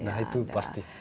nah itu pasti